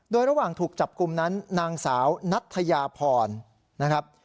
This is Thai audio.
โดยระหว่างถูกจับกลุ่มนั้นนางสาวนัทยาพรนะครับ